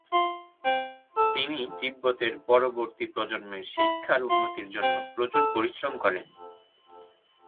তিনি তিব্বতের পরবর্তী প্রজন্মের শিক্ষার উন্নতির জন্য প্রচুর পরিশ্রম করেন।